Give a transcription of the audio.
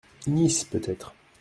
Nice, peut-être ?…